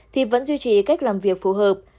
thì vẫn duy trì cách làm việc phù hợp